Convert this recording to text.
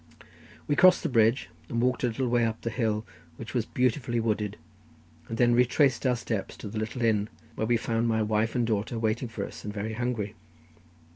We crossed the bridge, walked a little way up the hill, which was beautifully wooded, and then retraced our steps to the little inn, where I found my wife and daughter waiting for us, and very hungry.